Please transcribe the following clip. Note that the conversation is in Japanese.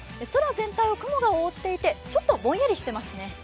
空全体を雲が覆っていて、ちょっとぼんやりしてますね。